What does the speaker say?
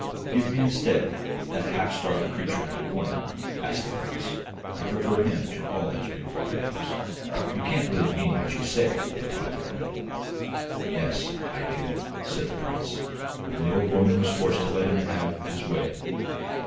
'Give me, instead, that half starved creature in the corner,' asked the prince. 'I prefer him to all those beautiful animals.' 'You can't really mean what you say?' replied the woman. 'Yes, I do,' said the prince, and the old woman was forced to let him have his way.